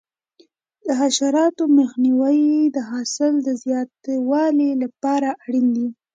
د حشراتو مخنیوی د حاصل د زیاتوالي لپاره اړین دی.